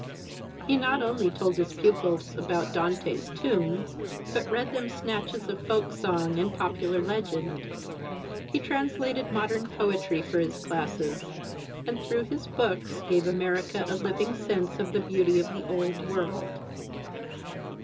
He not only told his pupils about Dante's tomb, but read them snatches of folk song and popular legend. He translated modem poetry for his classes, and through his books gave America . a living sense of the beauty of the Old World.